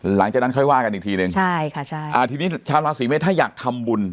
หลังจากนั้นค่อยว่ากันอีกทีหนึ่งใช่ค่ะใช่อ่าทีนี้ชาวราศีเมษถ้าอยากทำบุญ